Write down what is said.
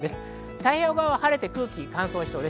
太平洋側は晴れて、空気が乾燥します。